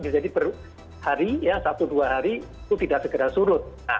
jadi per hari satu dua hari itu tidak segera surut